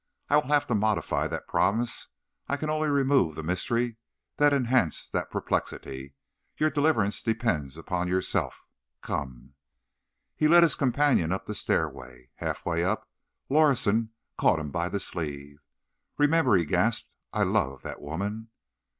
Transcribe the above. I will have to modify that promise. I can only remove the mystery that enhanced that perplexity. Your deliverance depends upon yourself. Come." He led his companion up the stairway. Halfway up, Lorison caught him by the sleeve. "Remember," he gasped, "I love that woman."